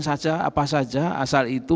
saja apa saja asal itu